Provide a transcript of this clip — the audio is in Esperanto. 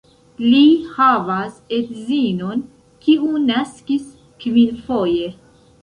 Li havas edzinon, kiu naskis kvinfoje.